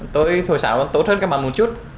thủy sáo tốt hơn các bạn một chút